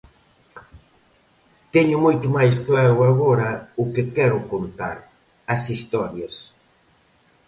Teño moito máis claro agora o que quero contar, as historias.